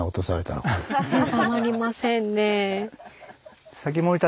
たまりませんねえ。